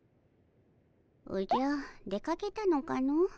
おじゃ出かけたのかの？